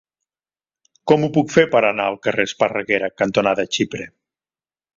Com ho puc fer per anar al carrer Esparreguera cantonada Xipre?